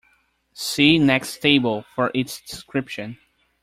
See next table for its description.